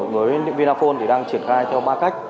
với vinaphone thì đang triển khai theo ba cách